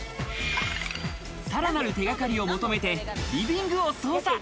さらなる手がかりを求めてリビングを捜査。